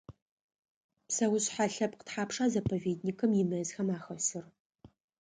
Псэушъхьэ лъэпкъ тхьапша заповедникым имэзхэм ахэсыр?